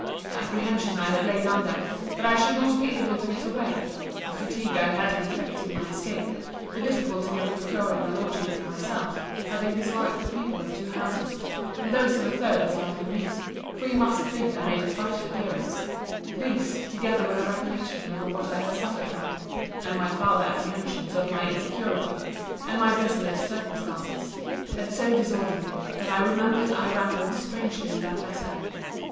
The apprehensions I had lain under, that I should not be able to get away; the fatigue I had in effecting my escape: the difficulty of procuring a lodging for myself; having disliked the people of two houses, and those of a third disliking me; for you must think I made a frighted appearance—these, together with the recollection of what I had suffered from him, and my farther apprehensions of my insecurity, and my desolate circumstances, had so disordered me, that I remember I rambled strangely in that letter.